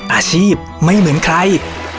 อาชีพไม่เหมือนใคร